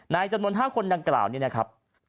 นายจันทน๕คนดังกล่าวนี่นะครับ